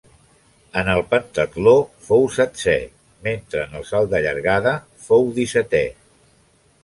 En el pentatló fou setzè, mentre en el salt de llargada fou dissetè.